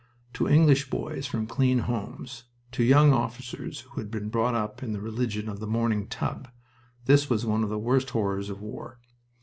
To English boys from clean homes, to young officers who had been brought up in the religion of the morning tub, this was one of the worst horrors of war.